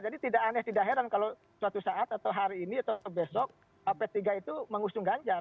jadi tidak aneh tidak heran kalau suatu saat atau hari ini atau besok p tiga itu mengusung ganjar